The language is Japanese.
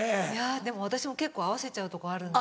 でも私も結構合わせちゃうとこあるんで。